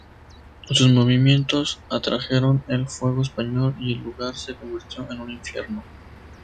Sus movimientos atrajeron el fuego español y el lugar se convirtió en un infierno.